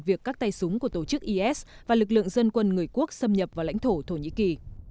việc các tay súng của tổ chức is và lực lượng dân quân người quốc xâm nhập vào lãnh thổ thổ nhĩ kỳ